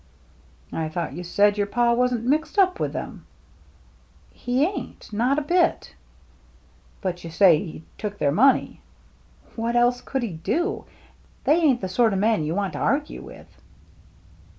"I thought you said your father wasn't mixed up with them." " He ain't. Not a bit." " But you say he took their money ?" 288 THE MERRY ANNE " What else could he do ? They ain't the sort o' men you'd want to argue with."